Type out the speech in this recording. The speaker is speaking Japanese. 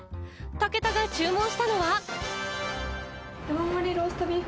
武田が注文したのは。